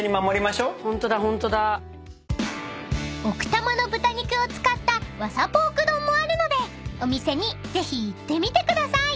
［奥多摩の豚肉を使ったわさポーク丼もあるのでお店にぜひ行ってみてください］